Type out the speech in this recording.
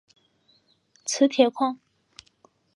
磁铁矿。